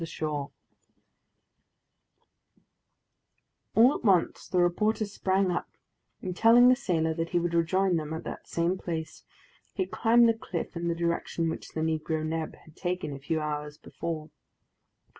Chapter 4 All at once the reporter sprang up, and telling the sailor that he would rejoin them at that same place, he climbed the cliff in the direction which the Negro Neb had taken a few hours before.